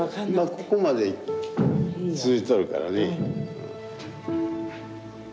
ここまで通じとるからね。